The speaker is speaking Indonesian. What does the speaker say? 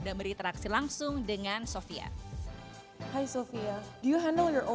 saya ingin mengekspresikan robot dengan kata yang benar